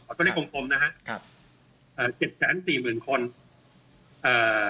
ขอตัวเลขกลมนะฮะครับเอ่อเจ็ดแสนสี่หมื่นคนเอ่อ